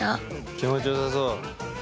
気持ちよさそう。